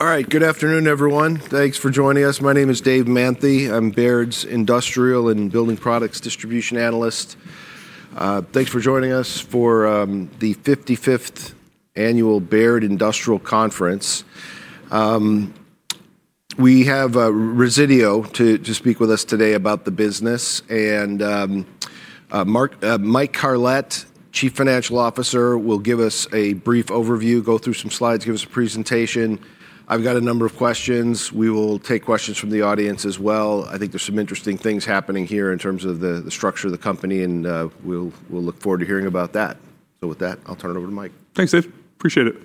All right, good afternoon, everyone. Thanks for joining us. My name is Dave Manthey. I'm Baird's industrial and building products distribution analyst. Thanks for joining us for the 55th Annual Baird Industrial Conference. We have Resideo to speak with us today about the business. And Mike Carlet, Chief Financial Officer, will give us a brief overview, go through some slides, give us a presentation. I've got a number of questions. We will take questions from the audience as well. I think there's some interesting things happening here in terms of the structure of the company, and we'll look forward to hearing about that. So with that, I'll turn it over to Mike. Thanks, Dave. Appreciate it.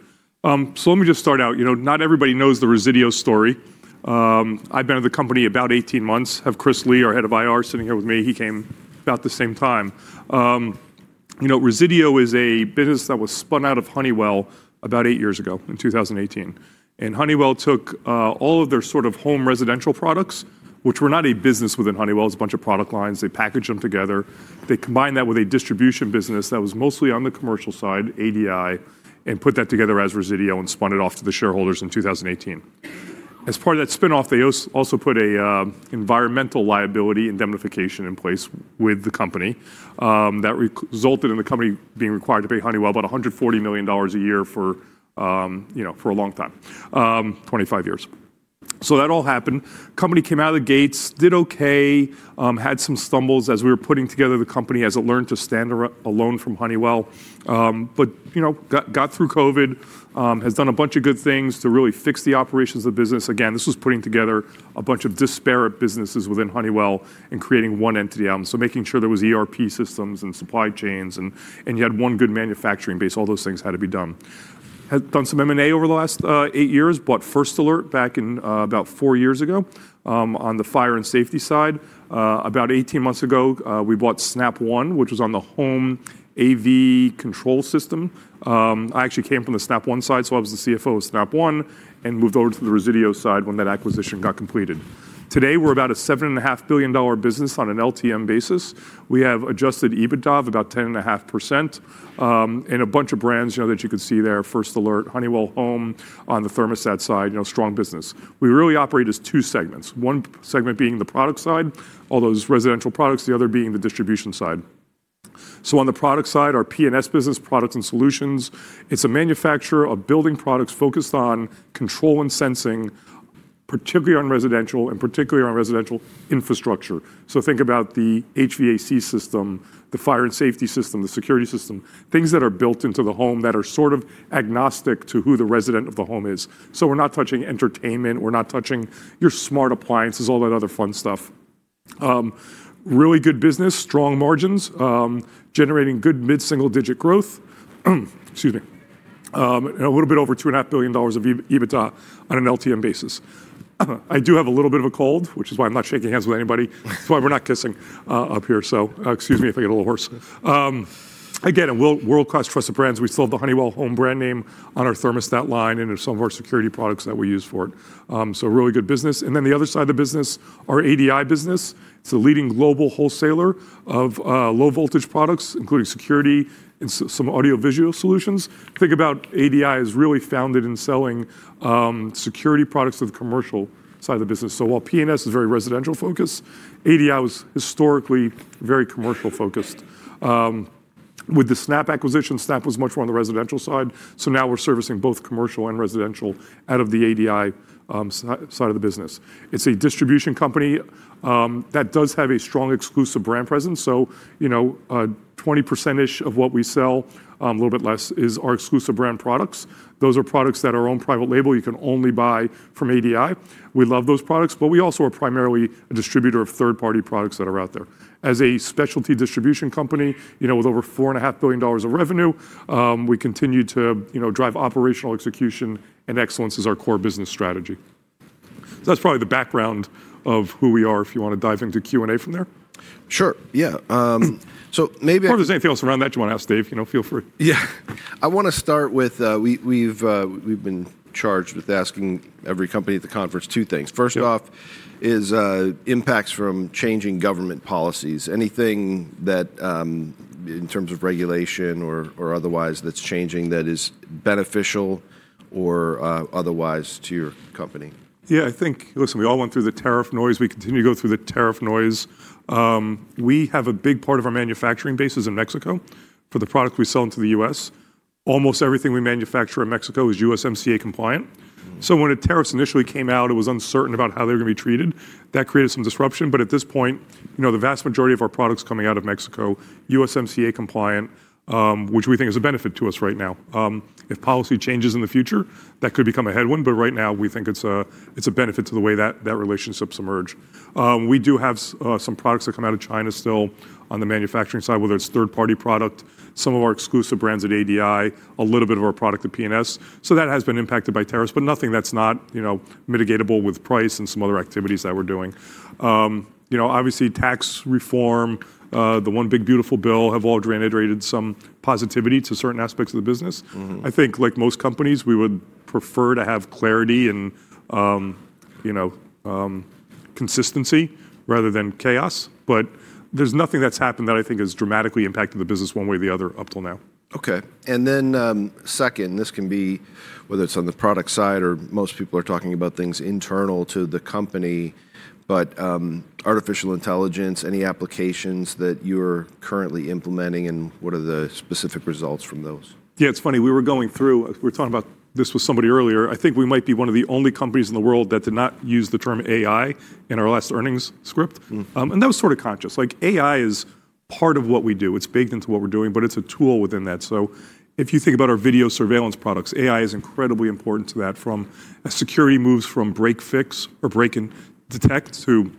Let me just start out. Not everybody knows the Resideo story. I've been at the company about 18 months. I have Chris Lee, our head of IR, sitting here with me. He came about the same time. Resideo is a business that was spun out of Honeywell about eight years ago in 2018. Honeywell took all of their sort of home residential products, which were not a business within Honeywell. It was a bunch of product lines. They packaged them together. They combined that with a distribution business that was mostly on the commercial side, ADI, and put that together as Resideo and spun it off to the shareholders in 2018. As part of that spin-off, they also put an environmental liability indemnification in place with the company. That resulted in the company being required to pay Honeywell about $140 million a year for a long time, 25 years. That all happened. The company came out of the gates, did OK, had some stumbles as we were putting together the company as it learned to stand alone from Honeywell, but got through COVID, has done a bunch of good things to really fix the operations of the business. Again, this was putting together a bunch of disparate businesses within Honeywell and creating one entity. Making sure there were ERP systems and supply chains, and you had one good manufacturing base. All those things had to be done. Had done some M&A over the last eight years, bought First Alert back about four years ago on the fire and safety side. About 18 months ago, we bought Snap One, which was on the home AV control system. I actually came from the Snap One side, so I was the CFO of Snap One, and moved over to the Resideo side when that acquisition got completed. Today, we're about a $7.5 billion business on an LTM basis. We have adjusted EBITDA of about 10.5%. And a bunch of brands that you could see there: First Alert, Honeywell Home on the thermostat side, strong business. We really operate as two segments, one segment being the product side, all those residential products, the other being the distribution side. On the product side, our P&S business, products and solutions, it's a manufacturer of building products focused on control and sensing, particularly on residential and particularly on residential infrastructure. Think about the HVAC system, the fire and safety system, the security system, things that are built into the home that are sort of agnostic to who the resident of the home is. We're not touching entertainment. We're not touching your smart appliances, all that other fun stuff. Really good business, strong margins, generating good mid-single digit growth, excuse me, and a little bit over $2.5 billion of EBITDA on an LTM basis. I do have a little bit of a cold, which is why I'm not shaking hands with anybody. That's why we're not kissing up here. Excuse me if I get a little hoarse. Again, world-class trusted brands. We still have the Honeywell Home brand name on our thermostat line and some of our security products that we use for it. Really good business. The other side of the business, our ADI business, is a leading global wholesaler of low voltage products, including security and some audio-visual solutions. Think about ADI as really founded in selling security products to the commercial side of the business. While P&S is very residential focused, ADI was historically very commercial focused. With the Snap acquisition, Snap was much more on the residential side. Now we are servicing both commercial and residential out of the ADI side of the business. It is a distribution company that does have a strong exclusive brand presence. About 20% of what we sell, a little bit less, is our exclusive brand products. Those are products that are on private label. You can only buy from ADI. We love those products, but we also are primarily a distributor of third-party products that are out there. As a specialty distribution company with over $4.5 billion of revenue, we continue to drive operational execution and excellence as our core business strategy. That is probably the background of who we are if you want to dive into Q&A from there. Sure. Yeah. Maybe. If there's anything else around that you want to ask Dave, feel free. Yeah. I want to start with we've been charged with asking every company at the conference two things. First off is impacts from changing government policies. Anything that, in terms of regulation or otherwise, that's changing that is beneficial or otherwise to your company? Yeah. I think, listen, we all went through the tariff noise. We continue to go through the tariff noise. We have a big part of our manufacturing base is in Mexico for the products we sell into the U.S. Almost everything we manufacture in Mexico is USMCA compliant. When the tariffs initially came out, it was uncertain about how they were going to be treated. That created some disruption. At this point, the vast majority of our products coming out of Mexico are USMCA compliant, which we think is a benefit to us right now. If policy changes in the future, that could become a headwind. Right now, we think it's a benefit to the way that relationships emerge. We do have some products that come out of China still on the manufacturing side, whether it's third-party product, some of our exclusive brands at ADI, a little bit of our product at P&S. That has been impacted by tariffs, but nothing that's not mitigatable with price and some other activities that we're doing. Obviously, tax reform, the One Big Beautiful Bill, have all generated some positivity to certain aspects of the business. I think, like most companies, we would prefer to have clarity and consistency rather than chaos. There's nothing that's happened that I think has dramatically impacted the business one way or the other up till now. OK. Second, this can be whether it's on the product side or most people are talking about things internal to the company, but artificial intelligence, any applications that you're currently implementing, and what are the specific results from those? Yeah. It's funny. We were going through, we were talking about this with somebody earlier. I think we might be one of the only companies in the world that did not use the term AI in our last earnings script. That was sort of conscious. AI is part of what we do. It's baked into what we're doing, but it's a tool within that. If you think about our video surveillance products, AI is incredibly important to that. From security moves from break fix or break and detect to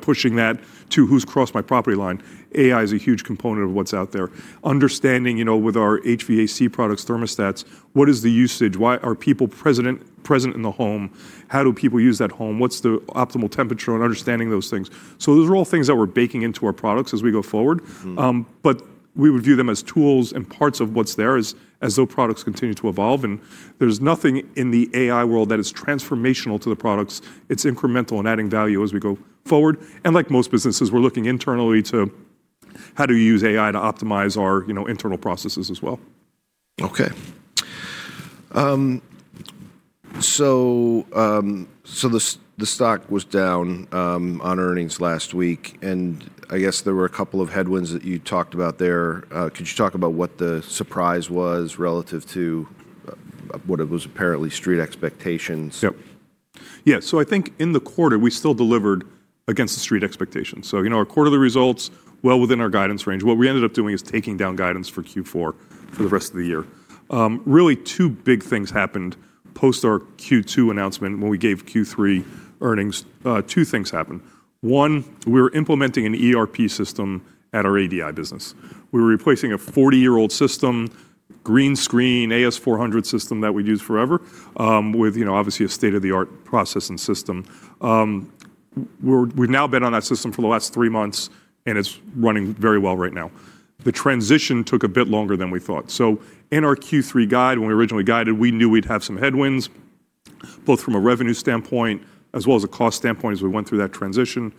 pushing that to who's crossed my property line, AI is a huge component of what's out there. Understanding with our HVAC products, thermostats, what is the usage? Are people present in the home? How do people use that home? What's the optimal temperature on understanding those things? Those are all things that we're baking into our products as we go forward. We would view them as tools and parts of what's there as those products continue to evolve. There is nothing in the AI world that is transformational to the products. It's incremental and adding value as we go forward. Like most businesses, we're looking internally to how do we use AI to optimize our internal processes as well. OK. The stock was down on earnings last week. I guess there were a couple of headwinds that you talked about there. Could you talk about what the surprise was relative to what it was apparently street expectations? Yep. Yeah. I think in the quarter, we still delivered against the street expectations. Our quarterly results were well within our guidance range. What we ended up doing is taking down guidance for Q4 for the rest of the year. Really, two big things happened post our Q2 announcement when we gave Q3 earnings. Two things happened. One, we were implementing an ERP system at our ADI business. We were replacing a 40-year-old system, green screen, AS/400 system that we'd used forever, with obviously a state-of-the-art process and system. We've now been on that system for the last three months, and it's running very well right now. The transition took a bit longer than we thought. In our Q3 guide, when we originally guided, we knew we'd have some headwinds, both from a revenue standpoint as well as a cost standpoint as we went through that transition.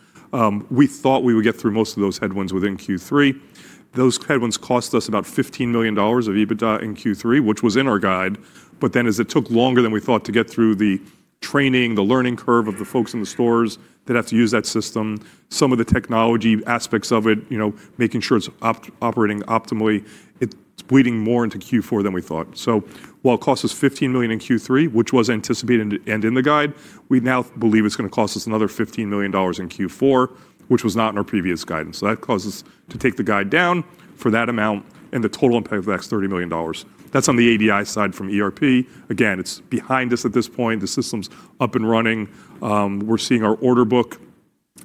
We thought we would get through most of those headwinds within Q3. Those headwinds cost us about $15 million of EBITDA in Q3, which was in our guide. As it took longer than we thought to get through the training, the learning curve of the folks in the stores that have to use that system, some of the technology aspects of it, making sure it's operating optimally, it's bleeding more into Q4 than we thought. While it cost us $15 million in Q3, which was anticipated and in the guide, we now believe it's going to cost us another $15 million in Q4, which was not in our previous guidance. That causes us to take the guide down for that amount and the total impact of $30 million. That's on the ADI side from ERP. Again, it's behind us at this point. The system's up and running. We're seeing our order book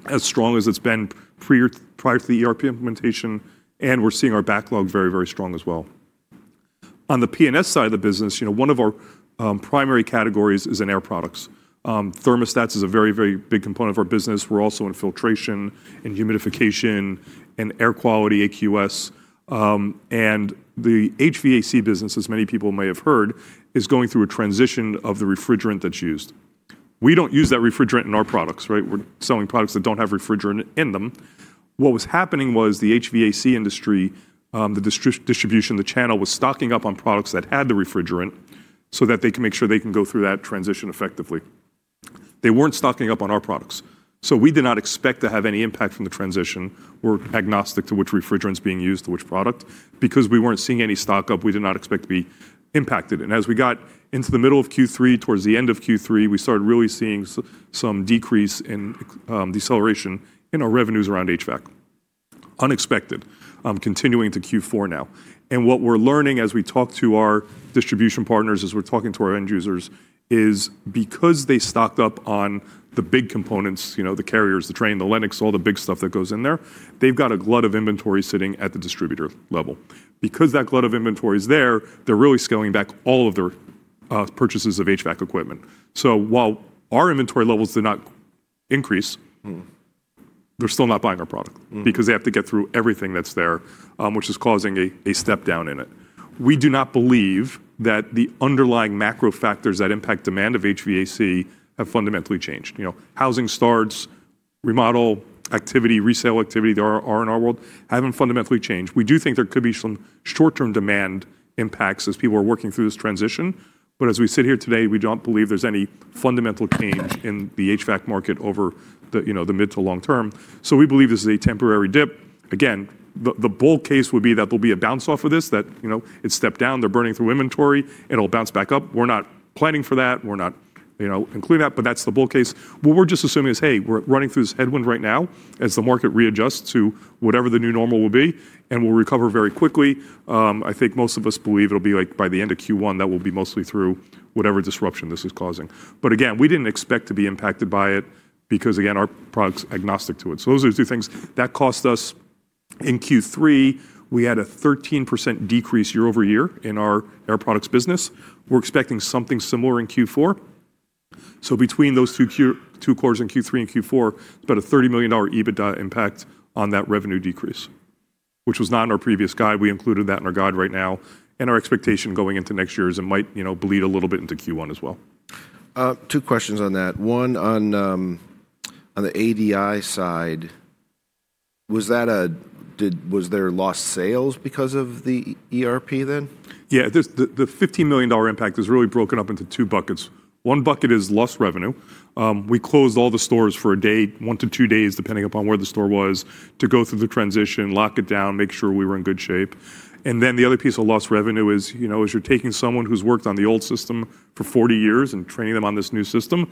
as strong as it's been prior to the ERP implementation. We're seeing our backlog very, very strong as well. On the P&S side of the business, one of our primary categories is in air products. Thermostats is a very, very big component of our business. We're also in filtration and humidification and air quality, AQS. The HVAC business, as many people may have heard, is going through a transition of the refrigerant that's used. We don't use that refrigerant in our products. We're selling products that don't have refrigerant in them. What was happening was the HVAC industry, the distribution, the channel was stocking up on products that had the refrigerant so that they can make sure they can go through that transition effectively. They weren't stocking up on our products. We did not expect to have any impact from the transition. We're agnostic to which refrigerant's being used to which product. Because we weren't seeing any stock up, we did not expect to be impacted. As we got into the middle of Q3, towards the end of Q3, we started really seeing some decrease in deceleration in our revenues around HVAC. Unexpected, continuing to Q4 now. What we're learning as we talk to our distribution partners, as we're talking to our end users, is because they stocked up on the big components, the Carrier, the Trane, the Lennox, all the big stuff that goes in there, they've got a glut of inventory sitting at the distributor level. Because that glut of inventory is there, they're really scaling back all of their purchases of HVAC equipment. While our inventory levels did not increase, they're still not buying our product because they have to get through everything that's there, which is causing a step down in it. We do not believe that the underlying macro factors that impact demand of HVAC have fundamentally changed. Housing starts, remodel activity, resale activity there are in our world haven't fundamentally changed. We do think there could be some short-term demand impacts as people are working through this transition. As we sit here today, we don't believe there's any fundamental change in the HVAC market over the mid to long term. We believe this is a temporary dip. Again, the bull case would be that there'll be a bounce off of this, that it's stepped down, they're burning through inventory, it'll bounce back up. We're not planning for that. We're not including that. That's the bull case. What we're just assuming is, hey, we're running through this headwind right now as the market readjusts to whatever the new normal will be, and we'll recover very quickly. I think most of us believe it'll be like by the end of Q1 that we'll be mostly through whatever disruption this is causing. Again, we didn't expect to be impacted by it because, again, our product's agnostic to it. Those are the two things. That cost us in Q3, we had a 13% decrease year over year in our air products business. We're expecting something similar in Q4. Between those two quarters in Q3 and Q4, it's about a $30 million EBITDA impact on that revenue decrease, which was not in our previous guide. We included that in our guide right now. Our expectation going into next year is it might bleed a little bit into Q1 as well. Two questions on that. One on the ADI side, was there lost sales because of the ERP then? Yeah. The $15 million impact is really broken up into two buckets. One bucket is lost revenue. We closed all the stores for a day, one to two days, depending upon where the store was, to go through the transition, lock it down, make sure we were in good shape. The other piece of lost revenue is, as you're taking someone who's worked on the old system for 40 years and training them on this new system,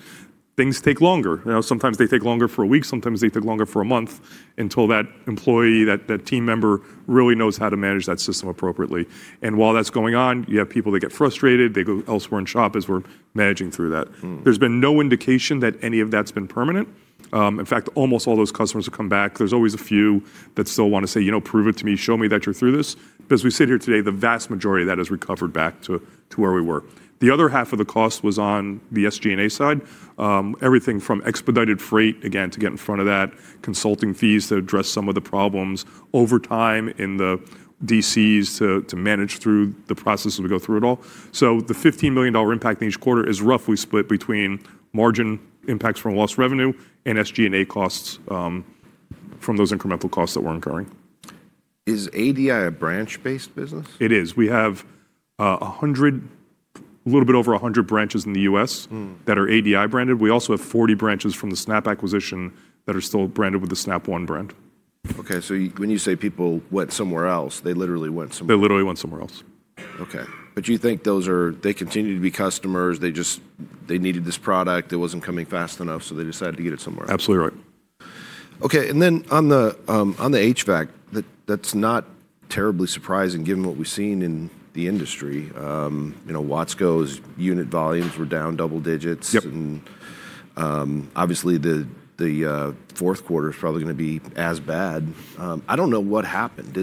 things take longer. Sometimes they take longer for a week. Sometimes they take longer for a month until that employee, that team member really knows how to manage that system appropriately. While that's going on, you have people that get frustrated. They go elsewhere and shop as we're managing through that. There's been no indication that any of that's been permanent. In fact, almost all those customers have come back. There's always a few that still want to say, prove it to me, show me that you're through this. Because we sit here today, the vast majority of that has recovered back to where we were. The other half of the cost was on the SG&A side. Everything from expedited freight, again, to get in front of that, consulting fees to address some of the problems, over time in the DCs to manage through the process as we go through it all. The $15 million impact in each quarter is roughly split between margin impacts from lost revenue and SG&A costs from those incremental costs that we're incurring. Is ADI a branch-based business? It is. We have a little bit over 100 branches in the U.S. that are ADI branded. We also have 40 branches from the Snap acquisition that are still branded with the Snap One brand. OK. When you say people went somewhere else, they literally went somewhere. They literally went somewhere else. OK. You think those are they continue to be customers. They just needed this product. It was not coming fast enough, so they decided to get it somewhere. Absolutely right. OK. On the HVAC, that's not terribly surprising given what we've seen in the industry. Watsco's unit volumes were down double digits. Obviously, the fourth quarter is probably going to be as bad. I don't know what happened.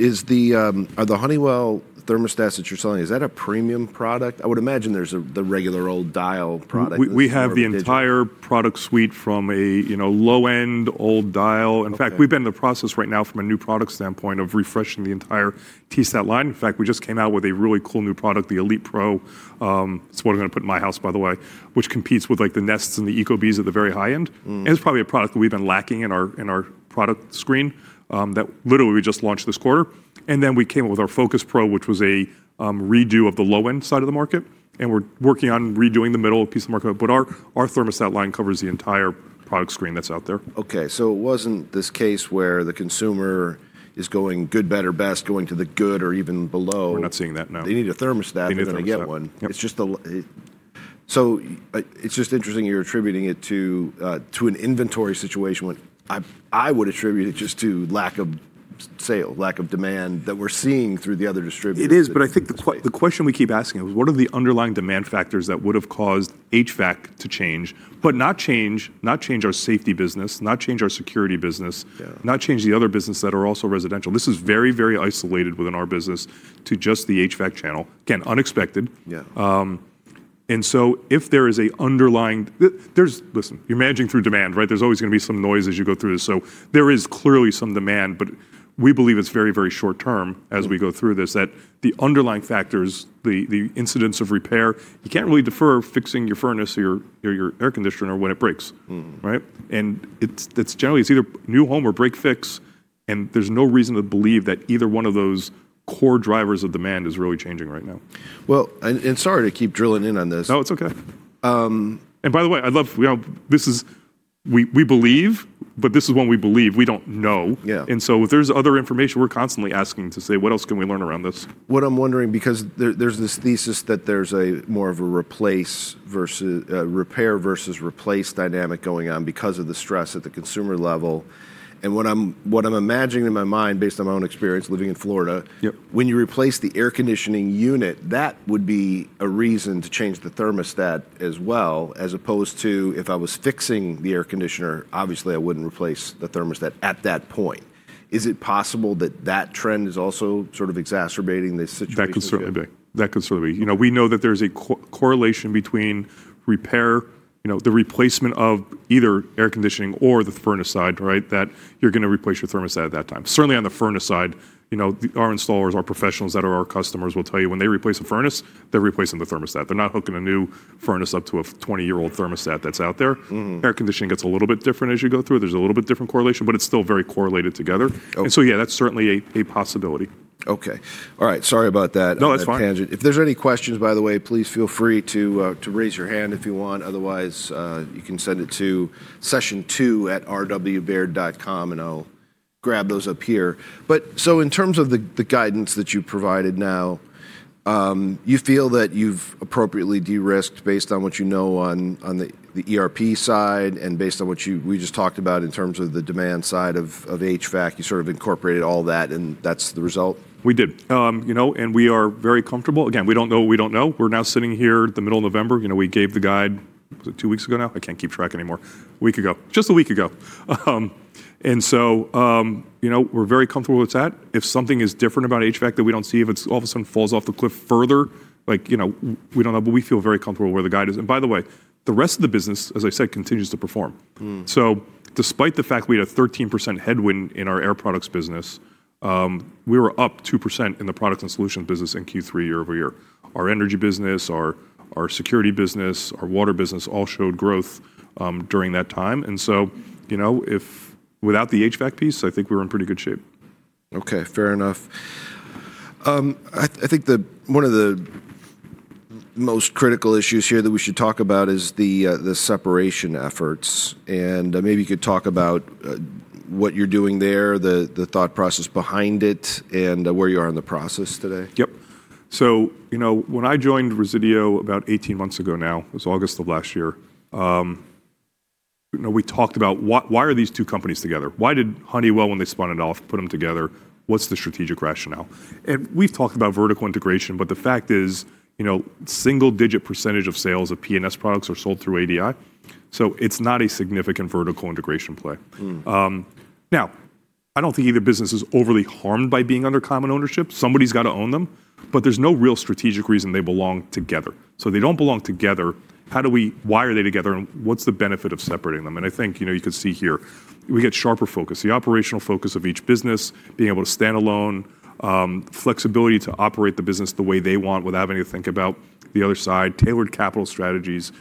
Are the Honeywell thermostats that you're selling, is that a premium product? I would imagine there's the regular old dial product. We have the entire product suite from a low-end old dial. In fact, we've been in the process right now from a new product standpoint of refreshing the entire T-Stat line. In fact, we just came out with a really cool new product, the Elite Pro. It's what I'm going to put in my house, by the way, which competes with the Nests and the Ecobees at the very high end. It's probably a product that we've been lacking in our product screen that literally we just launched this quarter. We came up with our FocusPRO, which was a redo of the low-end side of the market. We're working on redoing the middle piece of the market. Our thermostat line covers the entire product screen that's out there. OK. It wasn't this case where the consumer is going good, better, best, going to the good or even below. We're not seeing that now. They need a thermostat if they're going to get one. It is just interesting you're attributing it to an inventory situation when I would attribute it just to lack of sale, lack of demand that we're seeing through the other distributors. It is. I think the question we keep asking is, what are the underlying demand factors that would have caused HVAC to change, but not change our safety business, not change our security business, not change the other business that are also residential? This is very, very isolated within our business to just the HVAC channel. Again, unexpected. If there is an underlying, listen, you're managing through demand, right? There's always going to be some noise as you go through this. There is clearly some demand. We believe it's very, very short term as we go through this, that the underlying factors, the incidence of repair, you can't really defer fixing your furnace or your air conditioner when it breaks. It's generally either new home or break fix. There is no reason to believe that either one of those core drivers of demand is really changing right now. Sorry to keep drilling in on this. No, it's OK. By the way, I love this is we believe, but this is what we believe. We don't know. If there's other information, we're constantly asking to say, what else can we learn around this? What I'm wondering, because there's this thesis that there's more of a repair versus replace dynamic going on because of the stress at the consumer level. What I'm imagining in my mind, based on my own experience living in Florida, when you replace the air conditioning unit, that would be a reason to change the thermostat as well, as opposed to if I was fixing the air conditioner, obviously, I wouldn't replace the thermostat at that point. Is it possible that that trend is also sort of exacerbating the situation? That could certainly be. We know that there's a correlation between repair, the replacement of either air conditioning or the furnace side, that you're going to replace your thermostat at that time. Certainly on the furnace side, our installers, our professionals that are our customers will tell you when they replace a furnace, they're replacing the thermostat. They're not hooking a new furnace up to a 20-year-old thermostat that's out there. Air conditioning gets a little bit different as you go through. There's a little bit different correlation, but it's still very correlated together. Yeah, that's certainly a possibility. OK. All right. Sorry about that. No, that's fine. If there's any questions, by the way, please feel free to raise your hand if you want. Otherwise, you can send it to session2@rwbaird.com, and I'll grab those up here. In terms of the guidance that you provided now, you feel that you've appropriately de-risked based on what you know on the ERP side and based on what we just talked about in terms of the demand side of HVAC? You sort of incorporated all that, and that's the result? We did. And we are very comfortable. Again, we do not know what we do not know. We are now sitting here the middle of November. We gave the guide two weeks ago now. I cannot keep track anymore. A week ago. Just a week ago. We are very comfortable with that. If something is different about HVAC that we do not see, if it all of a sudden falls off the cliff further, we do not know. We feel very comfortable where the guide is. By the way, the rest of the business, as I said, continues to perform. Despite the fact we had a 13% headwind in our air products business, we were up 2% in the products and solutions business in Q3 year over year. Our energy business, our security business, our water business all showed growth during that time. Without the HVAC piece, I think we were in pretty good shape. OK. Fair enough. I think one of the most critical issues here that we should talk about is the separation efforts. Maybe you could talk about what you're doing there, the thought process behind it, and where you are in the process today. Yep. When I joined Resideo about 18 months ago now, it was August of last year, we talked about why are these two companies together? Why did Honeywell, when they spun it off, put them together? What's the strategic rationale? We talked about vertical integration. The fact is, single-digit % of sales of P&S products are sold through ADI. It's not a significant vertical integration play. I don't think either business is overly harmed by being under common ownership. Somebody's got to own them. There's no real strategic reason they belong together. If they don't belong together, why are they together? What's the benefit of separating them? I think you could see here, we get sharper focus. The operational focus of each business, being able to stand alone, flexibility to operate the business the way they want without having to think about the other side, tailored capital strategies,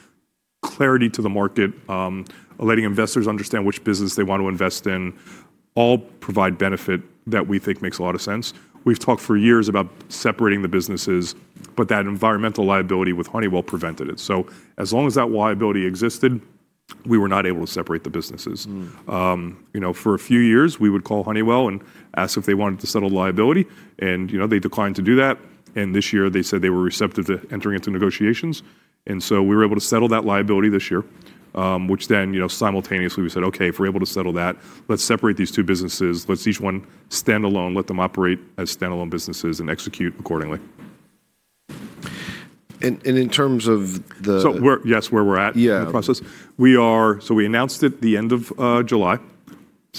clarity to the market, letting investors understand which business they want to invest in, all provide benefit that we think makes a lot of sense. We've talked for years about separating the businesses, but that environmental liability with Honeywell prevented it. As long as that liability existed, we were not able to separate the businesses. For a few years, we would call Honeywell and ask if they wanted to settle liability. They declined to do that. This year, they said they were receptive to entering into negotiations. We were able to settle that liability this year, which then simultaneously we said, OK, if we're able to settle that, let's separate these two businesses. Let each one stand alone, let them operate as standalone businesses and execute accordingly. In terms of the. Yes, where we're at in the process? Yeah. We announced it at the end of July.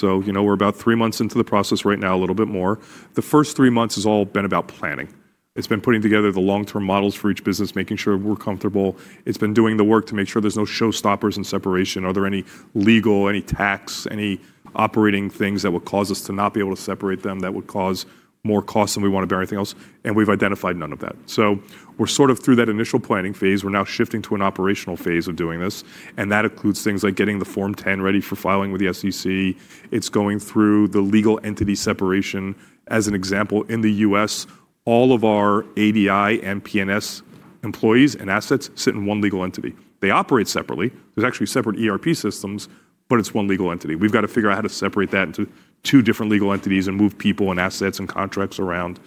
We are about three months into the process right now, a little bit more. The first three months has all been about planning. It has been putting together the long-term models for each business, making sure we are comfortable. It has been doing the work to make sure there are no showstoppers in separation. Are there any legal, any tax, any operating things that would cause us to not be able to separate them, that would cause more cost than we want to bear, anything else? We have identified none of that. We are sort of through that initial planning phase. We are now shifting to an operational phase of doing this. That includes things like getting the Form 10 ready for filing with the SEC. It is going through the legal entity separation. As an example, in the U.S., all of our ADI and P&S employees and assets sit in one legal entity. They operate separately. There's actually separate ERP systems, but it's one legal entity. We've got to figure out how to separate that into two different legal entities and move people and assets and contracts around.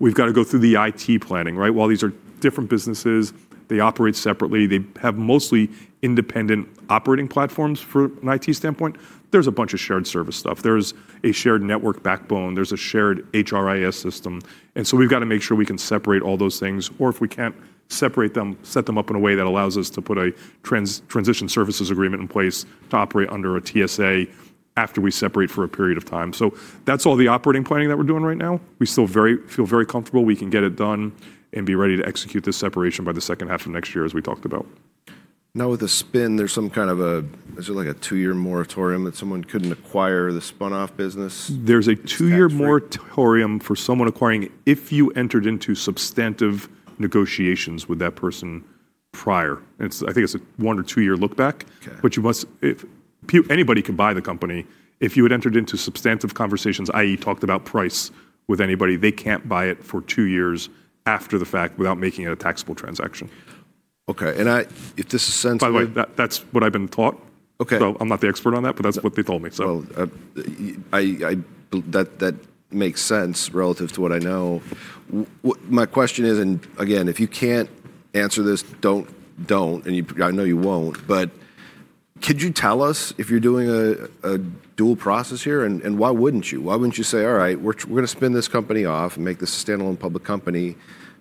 We've got to go through the IT planning. While these are different businesses, they operate separately. They have mostly independent operating platforms from an IT standpoint. There's a bunch of shared service stuff. There's a shared network backbone. There's a shared HRIS system. We have to make sure we can separate all those things. If we can't separate them, set them up in a way that allows us to put a transition services agreement in place to operate under a TSA after we separate for a period of time. That's all the operating planning that we're doing right now. We still feel very comfortable we can get it done and be ready to execute this separation by the second half of next year, as we talked about. Now with the spin, there's some kind of a, is there like a two-year moratorium that someone couldn't acquire the spun-off business? There's a two-year moratorium for someone acquiring if you entered into substantive negotiations with that person prior. I think it's a one- or two-year look back. Anybody can buy the company. If you had entered into substantive conversations, i.e., talked about price with anybody, they can't buy it for two years after the fact without making it a taxable transaction. OK. If this is sensible. By the way, that's what I've been taught. I'm not the expert on that, but that's what they told me. That makes sense relative to what I know. My question is, and again, if you can't answer this, don't. I know you won't. Could you tell us if you're doing a dual process here? Why wouldn't you? Why wouldn't you say, all right, we're going to spin this company off and make this a standalone public company,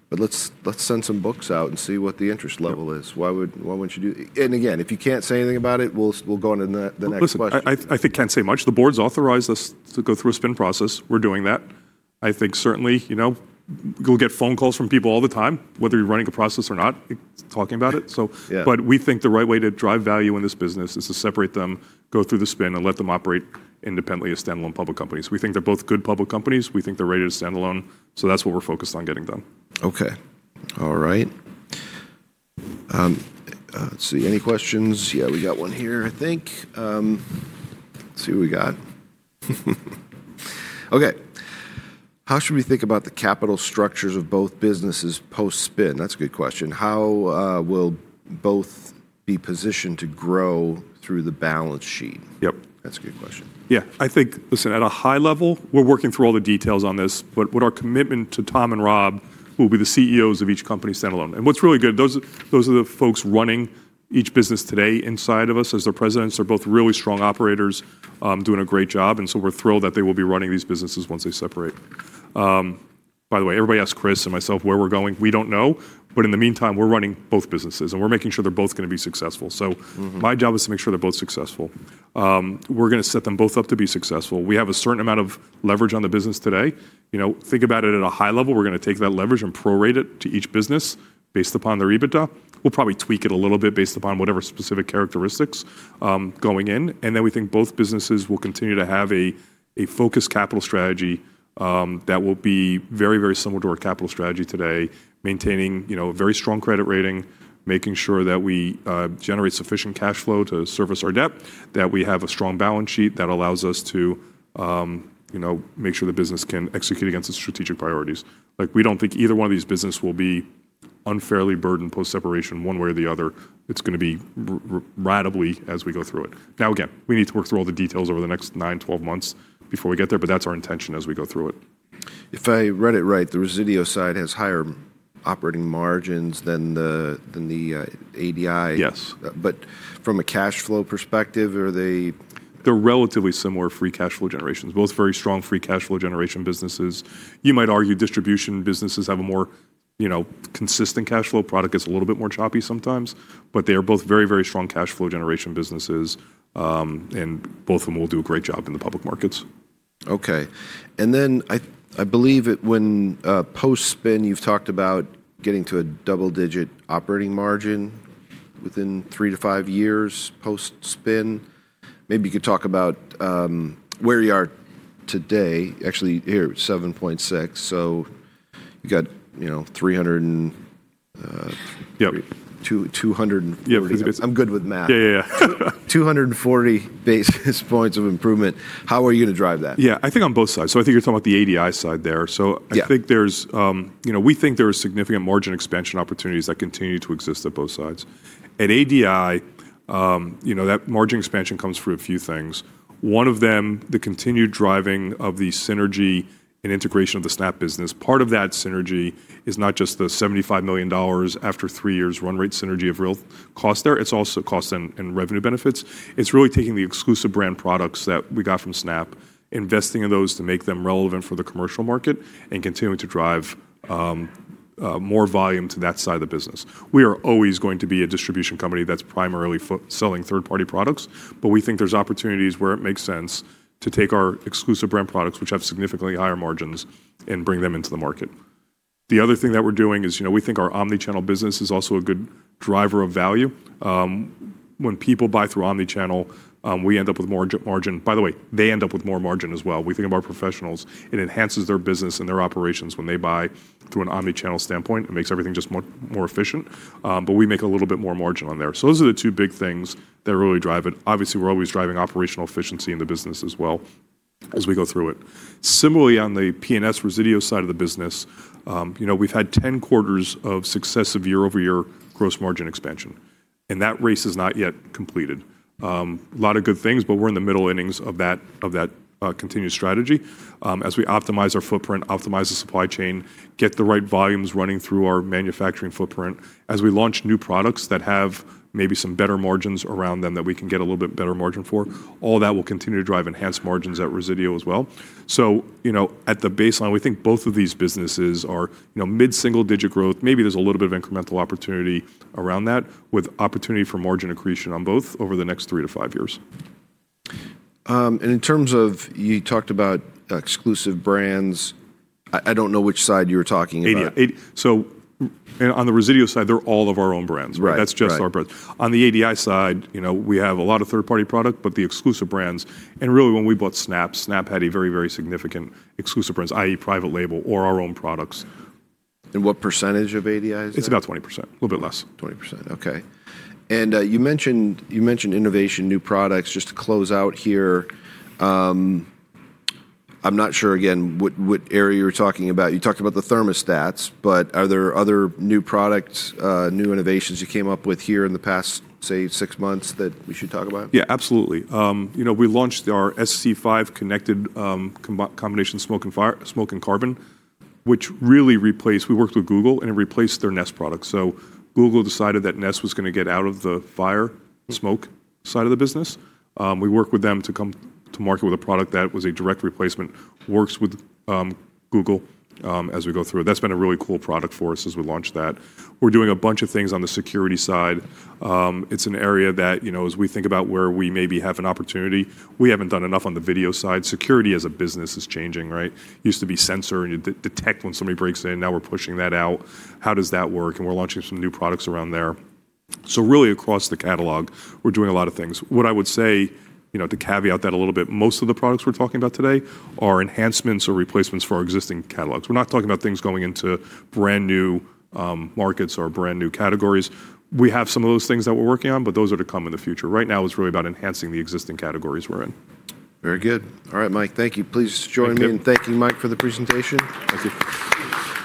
but let's send some books out and see what the interest level is? Why wouldn't you do that? Again, if you can't say anything about it, we'll go on to the next question. I think can't say much. The board's authorized us to go through a spin process. We're doing that. I think certainly you'll get phone calls from people all the time, whether you're running a process or not, talking about it. We think the right way to drive value in this business is to separate them, go through the spin, and let them operate independently as standalone public companies. We think they're both good public companies. We think they're ready to stand alone. That's what we're focused on getting done. OK. All right. Let's see. Any questions? Yeah, we got one here, I think. Let's see what we got. OK. How should we think about the capital structures of both businesses post-spin? That's a good question. How will both be positioned to grow through the balance sheet? Yep. That's a good question. Yeah. I think, listen, at a high level, we're working through all the details on this. Our commitment to Tom and Rob, who will be the CEOs of each company standalone. What's really good, those are the folks running each business today inside of us as their presidents. They're both really strong operators doing a great job. We're thrilled that they will be running these businesses once they separate. By the way, everybody asks Chris and myself where we're going. We don't know. In the meantime, we're running both businesses. We're making sure they're both going to be successful. My job is to make sure they're both successful. We're going to set them both up to be successful. We have a certain amount of leverage on the business today. Think about it at a high level. We're going to take that leverage and prorate it to each business based upon their EBITDA. We'll probably tweak it a little bit based upon whatever specific characteristics going in. We think both businesses will continue to have a focused capital strategy that will be very, very similar to our capital strategy today, maintaining a very strong credit rating, making sure that we generate sufficient cash flow to service our debt, that we have a strong balance sheet that allows us to make sure the business can execute against its strategic priorities. We don't think either one of these businesses will be unfairly burdened post-separation one way or the other. It's going to be ratably as we go through it. Now, again, we need to work through all the details over the next 9-12 months before we get there. That's our intention as we go through it. If I read it right, the Resideo side has higher operating margins than the ADI. Yes. From a cash flow perspective, are they? They're relatively similar free cash flow generations, both very strong free cash flow generation businesses. You might argue distribution businesses have a more consistent cash flow. Product gets a little bit more choppy sometimes. They are both very, very strong cash flow generation businesses. Both of them will do a great job in the public markets. OK. And then I believe when post-spin, you've talked about getting to a double-digit operating margin within three to five years post-spin. Maybe you could talk about where you are today. Actually, here, 7.6. So you got 300 and. Yep. 240. I'm good with math. Yeah, yeah. 240 basis points of improvement. How are you going to drive that? Yeah. I think on both sides. I think you're talking about the ADI side there. I think we think there are significant margin expansion opportunities that continue to exist at both sides. At ADI, that margin expansion comes through a few things. One of them, the continued driving of the synergy and integration of the Snap One business. Part of that synergy is not just the $75 million after three years run rate synergy of real cost there. It's also cost and revenue benefits. It's really taking the exclusive brand products that we got from Snap One, investing in those to make them relevant for the commercial market, and continuing to drive more volume to that side of the business. We are always going to be a distribution company that's primarily selling third-party products. We think there are opportunities where it makes sense to take our exclusive brand products, which have significantly higher margins, and bring them into the market. The other thing that we are doing is we think our omnichannel business is also a good driver of value. When people buy through omnichannel, we end up with more margin. By the way, they end up with more margin as well. We think of our professionals. It enhances their business and their operations when they buy through an omnichannel standpoint. It makes everything just more efficient. We make a little bit more margin on there. Those are the two big things that really drive it. Obviously, we are always driving operational efficiency in the business as well as we go through it. Similarly, on the P&S Resideo side of the business, we have had 10 quarters of successive year-over-year gross margin expansion. That race is not yet completed. A lot of good things. We are in the middle innings of that continued strategy as we optimize our footprint, optimize the supply chain, get the right volumes running through our manufacturing footprint, as we launch new products that have maybe some better margins around them that we can get a little bit better margin for. All that will continue to drive enhanced margins at Resideo as well. At the baseline, we think both of these businesses are mid-single-digit growth. Maybe there is a little bit of incremental opportunity around that with opportunity for margin accretion on both over the next three to five years. In terms of you talked about exclusive brands. I don't know which side you were talking about. On the Resideo side, they're all of our own brands. Right. That's just our brands. On the ADI side, we have a lot of third-party product. The exclusive brands and really, when we bought Snap One, Snap One had a very, very significant exclusive brands, i.e., private label or our own products. What percentage of ADI is that? It's about 20%. A little bit less. 20%. OK. You mentioned innovation, new products. Just to close out here, I'm not sure, again, what area you're talking about. You talked about the thermostats. Are there other new products, new innovations you came up with here in the past, say, six months that we should talk about? Yeah, absolutely. We launched our SC5 connected combination smoke and carbon, which really replaced—we worked with Google. And it replaced their Nest product. Google decided that Nest was going to get out of the fire smoke side of the business. We worked with them to come to market with a product that was a direct replacement. Works with Google as we go through it. That's been a really cool product for us as we launched that. We're doing a bunch of things on the security side. It's an area that, as we think about where we maybe have an opportunity, we haven't done enough on the video side. Security as a business is changing. It used to be sensor. You detect when somebody breaks in. Now we're pushing that out. How does that work? And we're launching some new products around there. Really, across the catalog, we're doing a lot of things. What I would say to caveat that a little bit, most of the products we're talking about today are enhancements or replacements for our existing catalogs. We're not talking about things going into brand new markets or brand new categories. We have some of those things that we're working on. Those are to come in the future. Right now, it's really about enhancing the existing categories we're in. Very good. All right, Mike. Thank you. Please join me in thanking Mike for the presentation. Thank you. All right.